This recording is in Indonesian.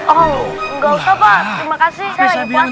gak usah pak terima kasih